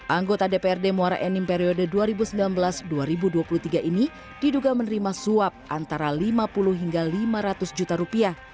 anggota dprd muara enim periode dua ribu sembilan belas dua ribu dua puluh tiga ini diduga menerima suap antara lima puluh hingga lima ratus juta rupiah